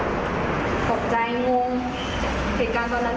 พูดได้นะเล่าได้มีอะไรอยู่ในใจไหมอยากขอโทษแม่ไหม